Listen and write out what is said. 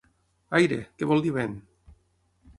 Aire, que vol dir vent!